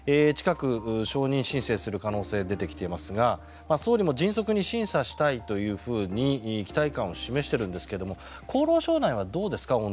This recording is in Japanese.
近く承認申請する可能性が出てきていますが総理も迅速に審査したいというふうに期待感を示しているんですが厚労省内はどうですか？